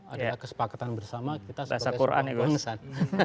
adalah kesepakatan bersama kita sebagai sebuah pengesan